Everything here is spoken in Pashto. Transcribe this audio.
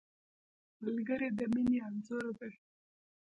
ملګری د مینې انځور دی